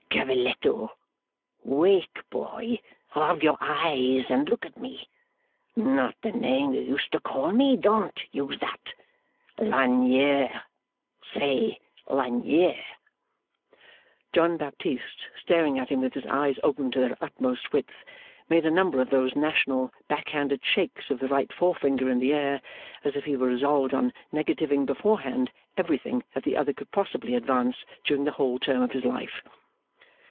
'Cavalletto! Wake, boy! Rub your eyes and look at me. Not the name you used to call me don't use that Lagnier, say Lagnier!' John Baptist, staring at him with eyes opened to their utmost width, made a number of those national, backhanded shakes of the right forefinger in the air, as if he were resolved on negativing beforehand everything that the other could possibly advance during the whole term of his life.